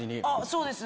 そうです。